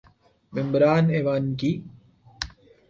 ممبران ایوان کی